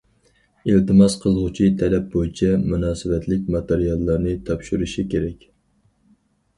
ئىلتىماس قىلغۇچى تەلەپ بويىچە مۇناسىۋەتلىك ماتېرىياللارنى تاپشۇرۇشى كېرەك.